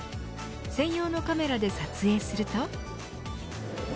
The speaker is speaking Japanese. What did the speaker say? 専用のカメラで撮影すると。